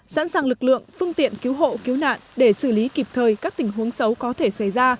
sẵn sàng lực lượng phương tiện cứu hộ cứu nạn để xử lý kịp thời các tình huống xấu có thể xảy ra